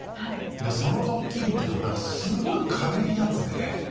でそのドッキリっていうのは何かすごい軽いやつで。